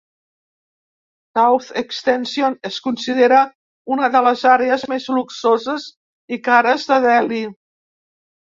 "South Extension" es considera una de les àrees més luxoses i cares de Delhi.